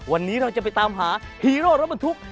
วันนี้เราจะไปตามหาฮีโร่ลดเป็นทุกข์